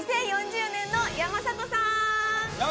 ２０４０年の山里さーん！